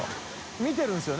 見てるんですよね？